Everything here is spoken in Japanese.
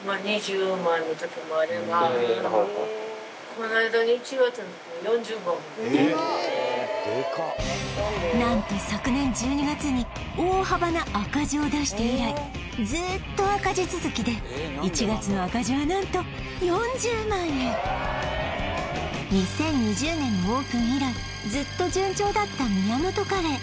この間何と昨年１２月に大幅な赤字を出して以来ずーっと赤字続きで１月の赤字は何と４０万円２０２０年のオープン以来ずっと順調だった宮本カレー